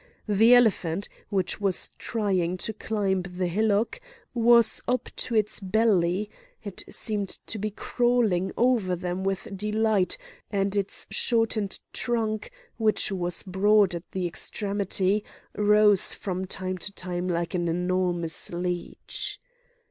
The elephant, which was trying to climb the hillock, was up to its belly; it seemed to be crawling over them with delight; and its shortened trunk, which was broad at the extremity, rose from time to time like an enormous leech.